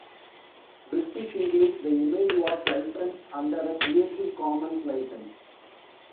British English: the image was licensed under a Creative Commons licence.